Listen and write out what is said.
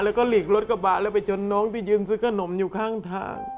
แล้วก็หลีกรถกระบะแล้วไปชนน้องที่ยืนซื้อขนมอยู่ข้างทาง